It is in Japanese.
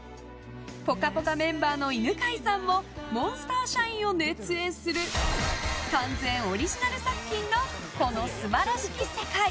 「ぽかぽか」メンバーの犬飼さんもモンスター社員を熱演する完全オリジナル作品の「この素晴らしき世界」。